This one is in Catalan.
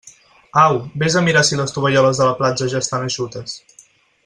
Au, vés a mirar si les tovalloles de la platja ja estan eixutes.